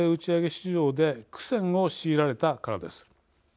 市場で苦戦を強いられたからです。